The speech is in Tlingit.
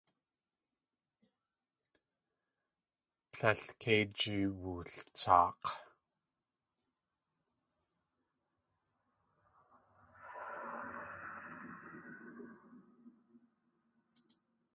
Tlél kei jiwultsaak̲.